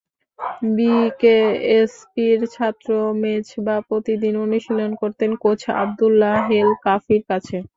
বিকেএসপির ছাত্র মেজবাহ প্রতিদিন অনুশীলন করতেন কোচ আবদুল্লাহ হেল কাফির কাছে।